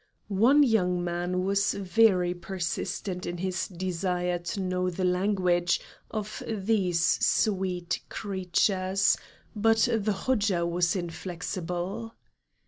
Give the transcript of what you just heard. One young man was very persistent in his desire to know the language of these sweet creatures, but the Hodja was inflexible.